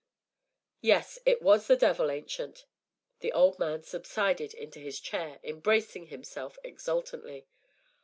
"Yes, it was the devil, Ancient." The old man subsided into his chair; embracing himself exultantly.